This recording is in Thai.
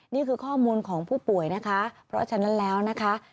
นี่คือข้อมูลของผู้ป่วยนะคะเพราะฉะนั้นแล้วนะคะ